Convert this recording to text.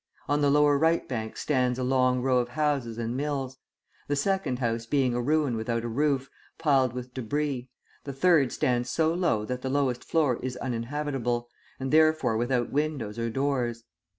On the lower right bank stands a long row of houses and mills; the second house being a ruin without a roof, piled with debris; the third stands so low that the lowest floor is uninhabitable, and therefore without windows or doors.